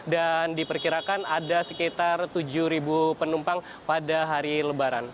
dan diperkirakan ada sekitar tujuh ribu penumpang pada hari lebaran